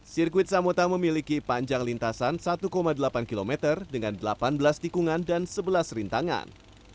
sirkuit samota memiliki panjang lintasan satu delapan km dengan delapan belas tikungan dan sebelas rintangan